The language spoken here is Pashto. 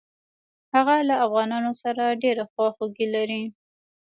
هغه له افغانانو سره ډېره خواخوږي لري.